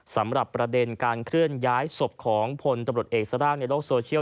สำหรับประเด็นการเคลื่อนย้ายศพของพลตำรวจเอกสร่างในโลกโซเชียล